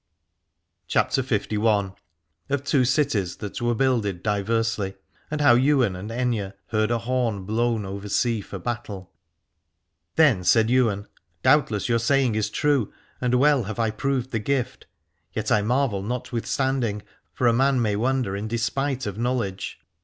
318 CHAPTER LI. OF TWO CITIES THAT WERE BUILDED DIVERSELY, AND HOW YWAIN AND AITHNE HEARD A HORN BLOWN OVER SEA FOR BATTLE. Then said Ywain : Doubtless your saying is true, and well have I proved the gift : yet I marvel notwithstanding, for a man may wonder in despite of knowledge.